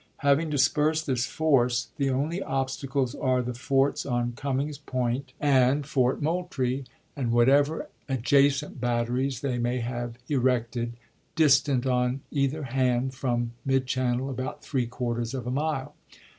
Having dispersed this force, the only obstacles are the forts on Cummings Point and 384 ABEAHAM LINCOLN ch. xxiii. Fort Moultrie, and whatever adjacent batteries they may have erected, distant on either hand from mid Fox, Mem channel about three quarters of a mile.